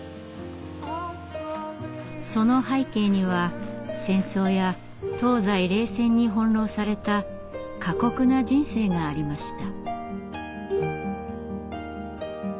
その背景には戦争や東西冷戦に翻弄された過酷な人生がありました。